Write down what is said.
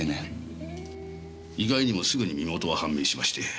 意外にもすぐに身元は判明しまして。